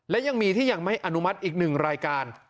และยังมีที่ยังไม่อนุมัติอีกหนึ่งรายการ